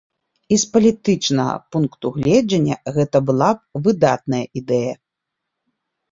І з палітычнага пункту гледжання гэта была б выдатная ідэя.